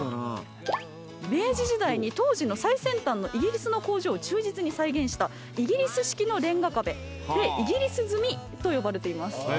明治時代に当時の最先端のイギリスの工場を忠実に再現したイギリス式のれんが壁でイギリス積みと呼ばれています。